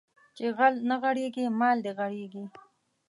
چې غل نه غېړيږي مال دې غېړيږي